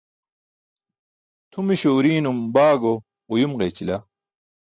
Tʰumiśo urii̇num baago uyum ġeyćila.